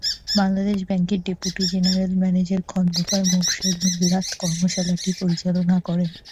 বাংলাদেশ ব্যাংকের deputy general manager Khondokar Morshed Millat কর্মশালাটি পরিচালনা করেন।